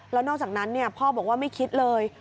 แล้วนอกจากนั้นพ่อบอกว่าไม่คิดเลย